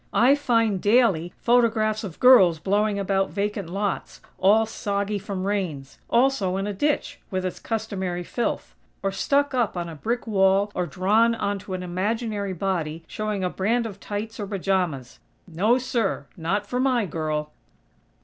I find, daily, photographs of girls blowing about vacant lots, all soggy from rains; also in a ditch, with its customary filth; or stuck up on a brick wall or drawn onto an imaginary body showing a brand of tights or pajamas. No, sir!! Not for my girl!!"